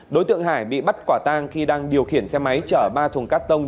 đối tượng hải bị bắt quả tang khi đang điều khiển xe máy chở ba thùng cắt tông